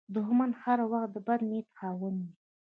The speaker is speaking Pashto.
دښمن هر وخت د بد نیت خاوند وي